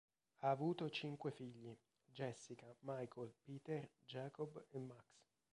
Ha avuto cinque figli: Jessica, Michael, Peter, Jacob, e Max.